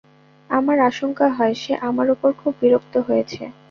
আমার আশঙ্কা হয়, সে আমার ওপর খুব বিরক্ত হয়েছে।